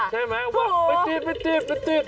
ใช่ไหมว่าไม่ติดไม่ติดไม่ติด